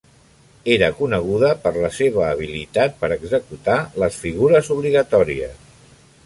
Era coneguda per la seva habilitat per executar les figures obligatòries.